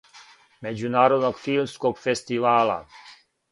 Међународног филмског фестивала.